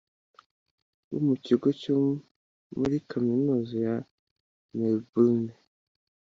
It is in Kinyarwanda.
bo mu kigo cyo kuri Kaminuza ya Melbourne